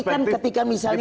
ini kan ketika misalnya